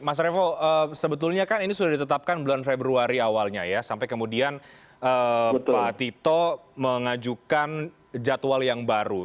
mas revo sebetulnya kan ini sudah ditetapkan bulan februari awalnya ya sampai kemudian pak tito mengajukan jadwal yang baru